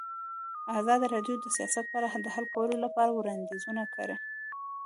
ازادي راډیو د سیاست په اړه د حل کولو لپاره وړاندیزونه کړي.